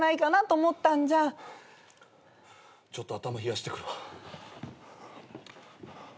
ちょっと頭冷やしてくるわ。